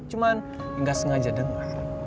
cuman gak sengaja denger